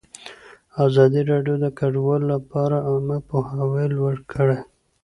ازادي راډیو د کډوال لپاره عامه پوهاوي لوړ کړی.